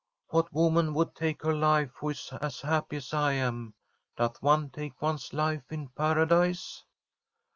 ' What woman would take her life who is as happy as I am? Doth one take one's life in Paradise